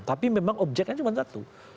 tapi memang objeknya cuma satu